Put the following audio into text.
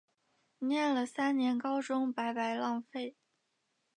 念了三年高中白白浪费